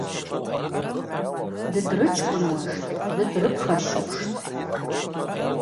Дыдрычкӏвынуаштӏ, дыдрыпхащуштӏ.